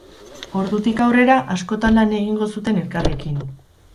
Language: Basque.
Ordutik aurrera, askotan lan egingo zuten elkarrekin.